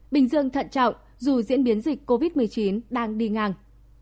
bình dương thận trọng dù diễn biến dịch covid một mươi chín đang đi ngang